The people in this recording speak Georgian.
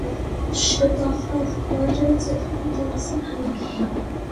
შემახა აზერბაიჯანის ერთ-ერთი უძველესი ქალაქია.